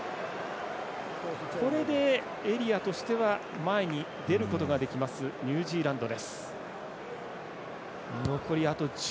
これで、エリアとしては前に出ることができますニュージーランド。